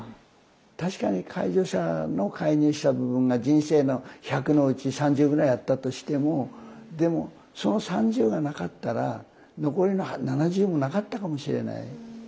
確かに介助者の介入した部分が人生の１００のうち３０ぐらいあったとしてもでもその３０がなかったら残りの７０もなかったかもしれない。